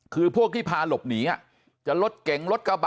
คือพวกที่พาหลบหนีจะรถเก๋งรถกระบะ